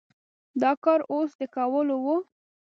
دا کار اوس د کولو و؟